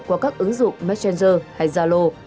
qua các ứng dụng messenger hay zalo